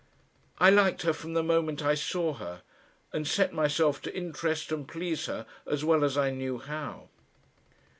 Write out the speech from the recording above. I liked her from the moment I saw her, and set myself to interest and please her as well as I knew how.